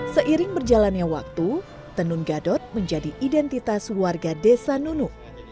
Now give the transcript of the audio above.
seiring berjalannya waktu tenun gadot menjadi identitas warga desa nunuk